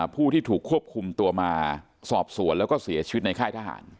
ผู้ที่ถูกควบคุมตัวมาสอบสวนแล้วก็เสียชีวิตในค่ายทหาร